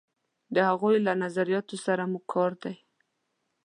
د هغوی له نظریاتو سره مو کار دی.